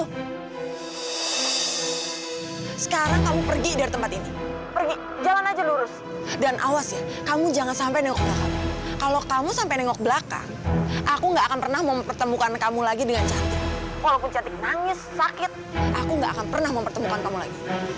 hai sekarang kamu pergi dari tempat ini pergi jalan aja lurus dan awas ya kamu jangan sampai kalau kamu sampai nengok belakang aku nggak akan pernah mempertemukan kamu lagi dengan cantik walaupun cantik nangis sakit aku nggak akan pernah mempertemukan kamu lagi